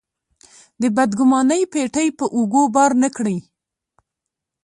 د بدګمانۍ پېټی په اوږو بار نه کړي.